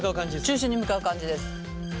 中心に向かう感じです。